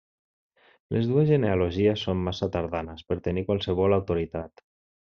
Les dues genealogies són massa tardanes per tenir qualsevol autoritat.